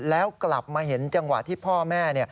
แล้วกลับมาเห็นจังหวะที่พ่อแม่